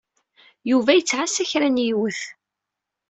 Yuba yettɛassa kra n yiwet.